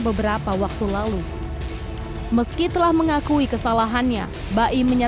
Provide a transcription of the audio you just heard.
polisi akan mengumpulkan bukti bukti dan memintai keterangan saksi saksi